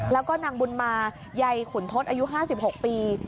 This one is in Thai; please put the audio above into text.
แล้วก็นางบุญมาใยขุนทศอายุ๕๖ปี